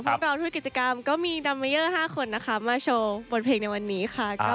เพื่อนบริการทุกกิจกรรมก็มีคุณดำเมย์๕คนมาโชว์บนเพลงในวันนี้ค่ะ